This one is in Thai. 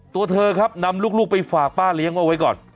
ตัวเธอครับนำลูกไปฝากป้าเลี้ยงเอาไว้ก่อน